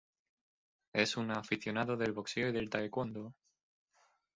Es un aficionado del boxeo y del Taekwondo.